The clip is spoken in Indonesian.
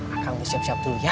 akang gue siap siap dulu ya